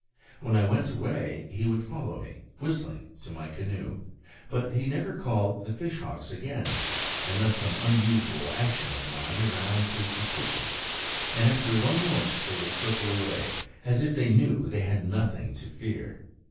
When I went away he would follow me, whistling, to my canoe; but he never called the fishhawks again, unless some unusual action of mine aroused his suspicion; and after one look they would circle away, as if they knew they had nothing to fear.